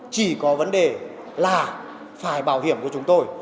chỉ có vấn đề là phải bảo hiểm của chúng tôi